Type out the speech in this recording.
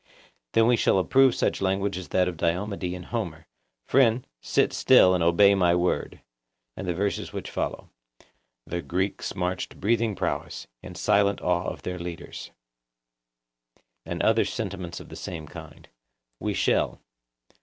Then we shall approve such language as that of Diomede in Homer, 'Friend, sit still and obey my word,' and the verses which follow, 'The Greeks marched breathing prowess, ...in silent awe of their leaders,' and other sentiments of the same kind. We shall.